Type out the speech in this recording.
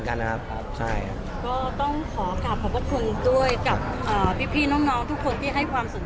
อเจมส์เปิดคลิปแล้วพ่อสั่งไว้ว่าใส่สีชมพูแล้วมี